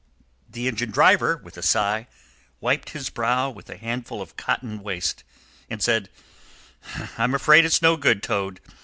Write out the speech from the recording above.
The engine driver, with a sigh, wiped his brow with a handful of cotton waste, and said, "I'm afraid it's no good, Toad.